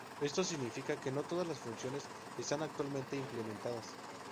Esto significa que no todas las funciones están actualmente implementadas.